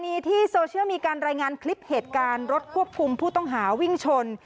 มีที่โซเชียลมีการรายงานคลิปเหตุการณ์รถควบคุมผู้ต้องหาวิ่งชน